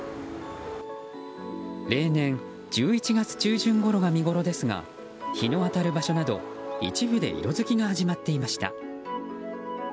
例年、１１月中旬ごろが見ごろですが日の当たる場所など一部で色づきが始まっていました。